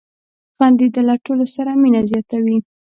• خندېدل له ټولو سره مینه زیاتوي.